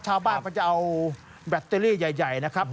ชาวบ้านเขาจะเอาแบตเตอรี่ใหญ่นะครับ